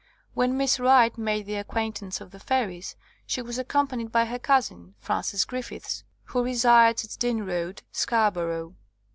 When Miss Wright made the acquaintance of the fairies she was accompanied by her cousin, Frances Grif fiths, who resides at Dean Road, Scarbor ough.